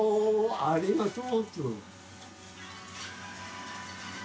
ありがとう。